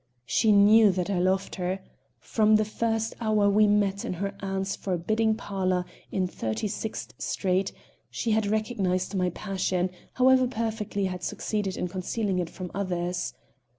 She knew that I loved her. From the first hour we met in her aunt's forbidding parlor in Thirty sixth Street, she had recognized my passion, however perfectly I had succeeded in concealing it from others.